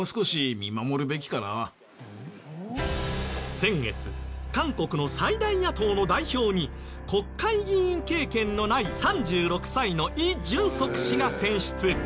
先月韓国の最大野党の代表に国会議員経験のない３６歳の李俊錫氏が選出。